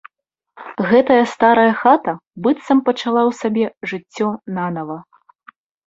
Гэтая старая хата быццам пачала ў сабе жыццё нанава.